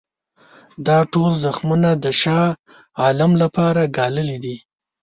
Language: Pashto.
دا ټول زحمتونه د شاه عالم لپاره ګاللي دي.